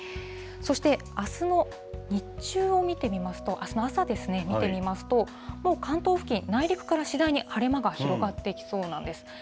そして、あすの日中を見てみますと、あすの朝ですね、見てみますと、もう関東付近、内陸から次第に晴れ間が広がってきそうなんです。